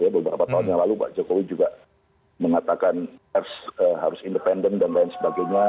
beberapa tahun yang lalu pak jokowi juga mengatakan harus independen dan lain sebagainya